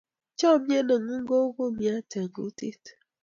chamiet ne ng'un ko u kumiat eng' kutit